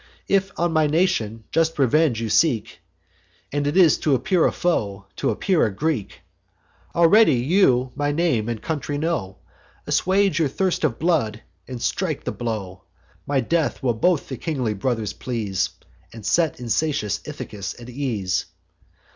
If on my nation just revenge you seek, And 'tis t' appear a foe, t' appear a Greek; Already you my name and country know; Assuage your thirst of blood, and strike the blow: My death will both the kingly brothers please, And set insatiate Ithacus at ease.